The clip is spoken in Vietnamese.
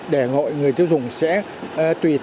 để hội người tiêu dùng sẽ tùy theo